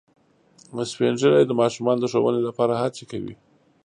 سپین ږیری د ماشومانو د ښوونې لپاره هڅې کوي